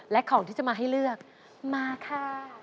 และของที่จะมาให้เลือกมาค่ะ